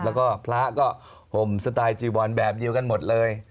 แล้วก็พระก็ห่มสไตล์จีวอนแบบเดียวกันหมดเลย